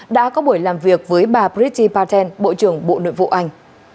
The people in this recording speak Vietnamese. đã có buổi làm việc với bà priti patel bộ trưởng bộ nội vụ anh